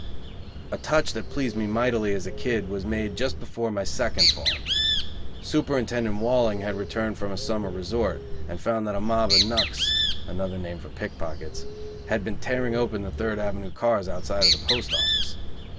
A "touch" that pleased me mightily as a kid was made just before my second fall. Superintendent Walling had returned from a summer resort, and found that a mob of "knucks" (another name for pick pockets) had been "tearing open" the Third Avenue cars outside of the Post Office.